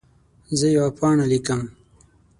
زه یوه پاڼه لیکم.